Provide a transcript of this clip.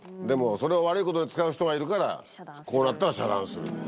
でもそれを悪いことに使う人がいるからこうなったら遮断する。